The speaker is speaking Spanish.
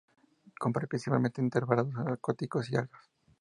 Come principalmente invertebrados acuáticos y algas.